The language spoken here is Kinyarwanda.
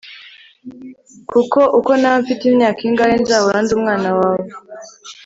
kuko uko naba mfite imyaka ingahe nzahora ndi umwana wawe